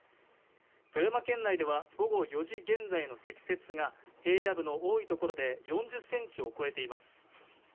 富山県内では午後４時現在の積雪が平野部の多いところで４０ｃｍを超えています。